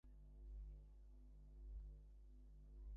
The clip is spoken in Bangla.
এবং সেও দেখত-আপনি কত অসাধারণ একজন মানুষ!